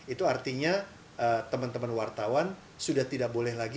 itu artinya teman teman wartawan sudah tidak boleh lagi